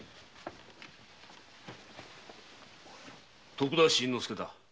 徳田新之助だ。